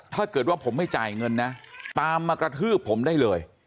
ถ้าเกิดว่าผมไม่จ่ายเงินนะตามมากระทืบผมได้เลย